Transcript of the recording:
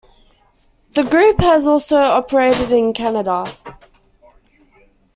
The group has also operated in Canada.